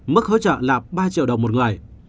mức hỗ trợ là ba triệu đồng một người